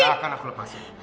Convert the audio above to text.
enggak akan aku lepasin